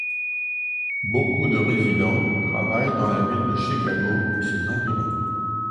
Beaucoup de résidents travaillent dans la ville de Chicago et ses environs.